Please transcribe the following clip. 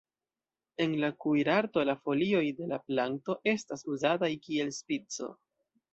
En la kuirarto la folioj de la planto estas uzataj kiel spico.